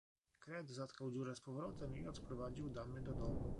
"Kret zatkał dziurę z powrotem i odprowadził damy do domu."